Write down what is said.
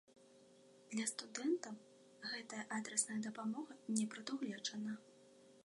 Для студэнтаў гэтая адрасная дапамога не прадугледжана.